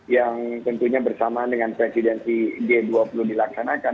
yang tentunya bersamaan dengan presidensi g dua puluh dilaksanakan